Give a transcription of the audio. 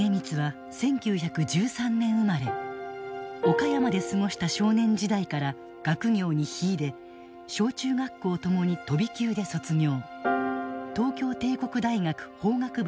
岡山で過ごした少年時代から学業に秀で小中学校ともに飛び級で卒業。